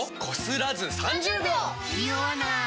ニオわない！